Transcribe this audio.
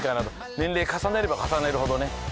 年齢重ねれば重ねるほどね。